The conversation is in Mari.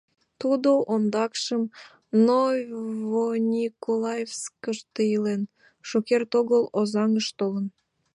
Тудо ондакшым Новониколаевскыште илен, шукерте огыл Озаҥыш толын.